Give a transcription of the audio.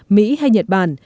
mỹ hay nhật bản